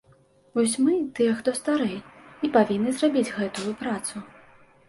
Вось мы, тыя, хто старэй, і павінны зрабіць гэтую працу.